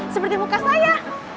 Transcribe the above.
seperti muka saya